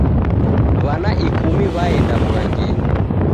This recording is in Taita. Wana ikumi waenda wughangenyi